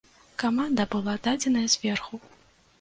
Каманда была дадзеная зверху.